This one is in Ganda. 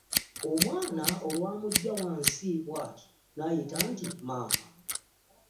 Omwana olwamuggya wansi bw'ati n'ayita nti maama.